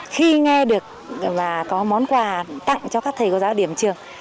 khi nghe được và có món quà tặng cho các thầy cô giáo điểm trường